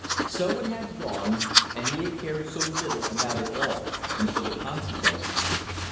So it had gone, and he had cared so little about it all, and for the consequences.